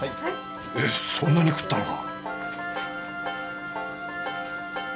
えっそんなに食ったのか！？